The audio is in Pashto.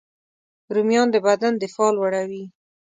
رومیان د بدن دفاع لوړوي